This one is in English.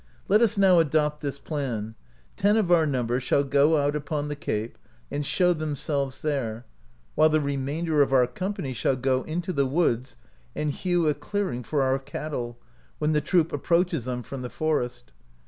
Let us now^ adopt this plan : ten of our number shall go out upon the cape, and show themselves there, while the remainder of our company shall go into the woods and hew a clear ing for our cattle, whai the troop approaches from the forest.